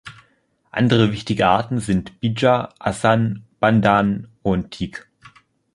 Andere wichtige Arten sind Bija, Asan, Bandhan und Teak.